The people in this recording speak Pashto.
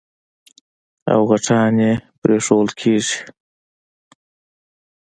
او غټان يې پرېښوول کېږي.